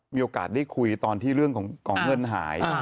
มีโอกาสได้คุยตอนที่เรื่องของเงินหาย